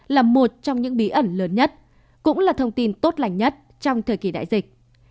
là một trong những bí ẩn lớn nhất cũng là thông tin tốt lành nhất trong thời kỳ đại dịch